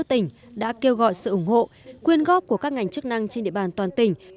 tỉnh đã kêu gọi sự ủng hộ quyên góp của các ngành chức năng trên địa bàn toàn tỉnh